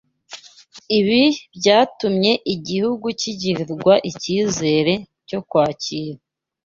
Ibi byatumye igihugu kigirirwa icyizere cyo kwakira